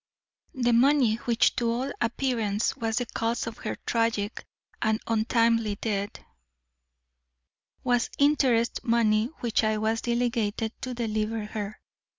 The money, which to all appearance was the cause of her tragic and untimely death, was interest money which I was delegated to deliver her.